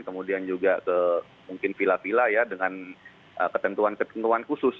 kemudian juga ke mungkin vila vila ya dengan ketentuan ketentuan khusus